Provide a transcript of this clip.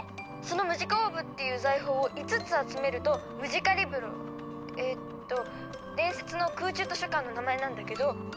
その「ムジカオーブ」っていう財宝を５つ集めると「ムジカリブロ」えっと伝説の空中図書館の名前なんだけどその扉が開くってわけ。